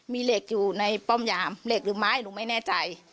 มีเหล็กอยู่ในป้อมยามเหล็กหรือไม้หนูไม่แน่ใจ